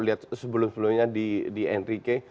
lihat sebelum sebelumnya di enrique